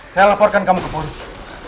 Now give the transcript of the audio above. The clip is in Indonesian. saya laporkan kamu ke polisi